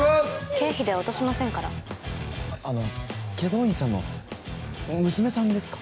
経費では落としませんからあの祁答院さんの娘さんですか？